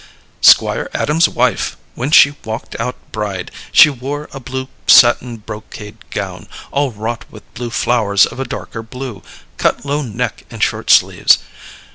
"Squire Adams's wife, when she walked out bride, she wore a blue satin brocade gown, all wrought with blue flowers of a darker blue, cut low neck and short sleeves.